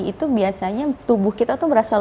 itu biasanya tubuh kita tuh berasa lelah